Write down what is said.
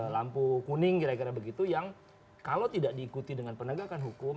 lampu kuning kira kira begitu yang kalau tidak diikuti dengan penegakan hukum